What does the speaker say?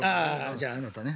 じゃああなたね。